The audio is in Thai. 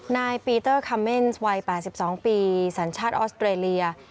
นายปีเตอร์คัมเมนส์วัย๘๒ปีสัญชาติออสเตรเลีย